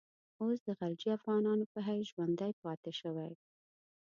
اوس د غلجي افغانانو په حیث ژوندی پاته شوی.